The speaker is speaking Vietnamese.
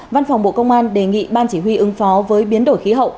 văn phòng bộ công an đề nghị ban chỉ huy ứng phó với biến đổi khí hậu